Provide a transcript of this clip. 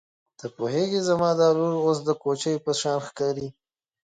ته پوهېږې زما دا لور اوس د کوچۍ په شان ښکاري.